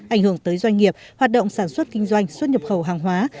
ảnh hưởng tới doanh nghiệp hoạt động sản xuất kinh doanh xuất nhập khẩu hàng hóa